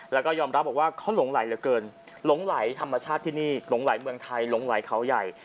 แล้วก็ยอมรับบอกว่าเขาหลงไหลเหลือเกินหลงไหลธรรมชาติที่นี่หลงไหลเมืองไทยหลงไหลเขาใหญ่